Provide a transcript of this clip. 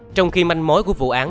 trong khi manh mối của vụ án